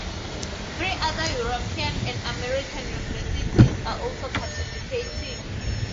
Three other European and American universities are also participating.